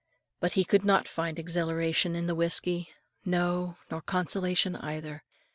But he could not find exhilaration in the whisky, no, nor consolation either.